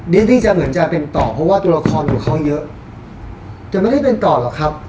ที่จะเหมือนจะเป็นต่อเพราะว่าตัวละครอยู่เขาเยอะจะไม่ได้เป็นต่อหรอกครับ